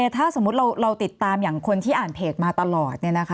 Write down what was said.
ถ้าสมมุติเราติดตามอย่างคนที่อ่านเพจมาตลอด